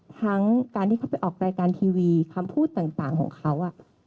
ทั้งการที่เขาไปออกรายการทีวีคำพูดต่างของเขา